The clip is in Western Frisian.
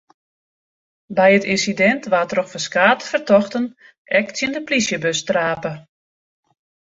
By it ynsidint waard troch ferskate fertochten ek tsjin de plysjebus trape.